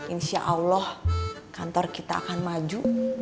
insya allah kantor kita akan maju